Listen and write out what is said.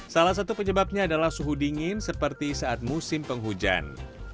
salah satu penyebabnya adalah suhu dingin seperti saat musim penghujan